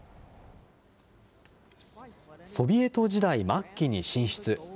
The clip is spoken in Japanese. ソビエト時代末期に進出。